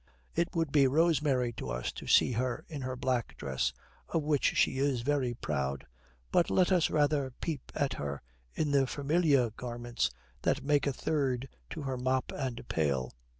It would be rosemary to us to see her in her black dress, of which she is very proud; but let us rather peep at her in the familiar garments that make a third to her mop and pail.